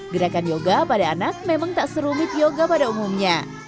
gerakan yoga pada anak memang tak serumit yoga pada umumnya